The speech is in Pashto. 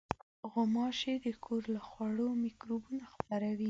غوماشې د کور له خوړو مکروبونه خپروي.